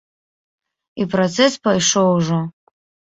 І працэс пайшоў ўжо.